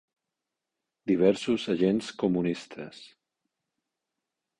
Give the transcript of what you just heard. Diversos agents comunistes